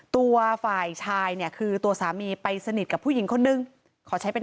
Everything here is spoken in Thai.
ตัวฝ่ายชายเนี่ยคือตัวสามีไปสนิทกับผู้หญิงคนนึงขอใช้เป็น